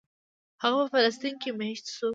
هغه په فلسطین کې مېشت شو.